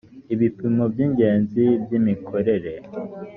ibipimo by ingenzi by imikorere